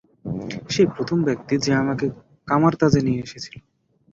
সেই প্রথম ব্যক্তি যে আমাকে কামার-তাজে নিয়ে এসেছিল।